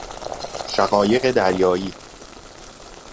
شقایق دریائی